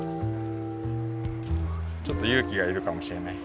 ちょっとゆうきがいるかもしれないけど。